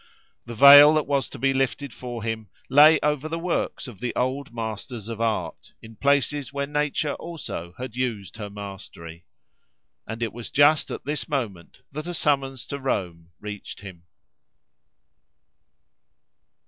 The veil that was to be lifted for him lay over the works of the old masters of art, in places where nature also had used her mastery. And it was just at this moment that a summons to Rome reached him.